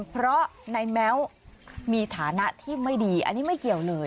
เพราะในแม้วมีฐานะที่ไม่ดีอันนี้ไม่เกี่ยวเลย